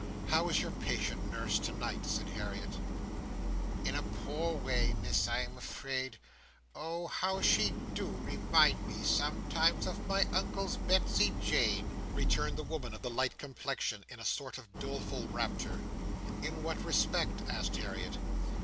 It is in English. "How is your patient, nurse, tonight?" said Harriet. "In a poor way, Miss, I am afraid. Oh how she do remind me, sometimes, of my Uncle's Betsey Jane!" returned the woman of the light complexion, in a sort of doleful rapture. "In what respect?" asked Harriet.